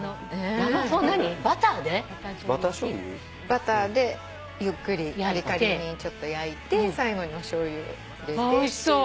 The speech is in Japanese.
バターでゆっくりカリカリに焼いて最後におしょうゆ入れてっていう。